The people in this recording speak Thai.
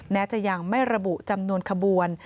จะยังไม่ระบุจำนวนขบวน